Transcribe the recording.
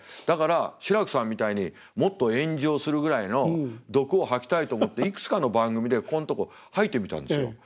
だから志らくさんみたいにもっと炎上するぐらいの毒を吐きたいと思っていくつかの番組でここんとこ吐いてみたんですよ。